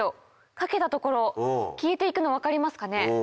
かけた所消えていくの分かりますかね。